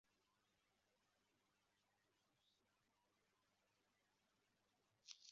Umwana yiruka mu cyerekezo gitandukanye cyabandi bakinaga umukino